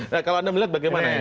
nah kalau anda melihat bagaimana ini